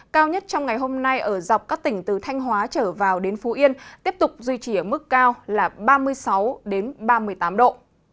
cao nhất trong ngày hôm nay ở dọc các tỉnh từ thanh hóa trở vào đến phú yên tiếp tục duy trì ở mức cao là ba mươi sáu ba mươi tám độ